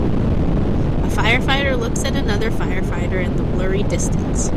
A firefighter looks at another firefighter in the blurry distance.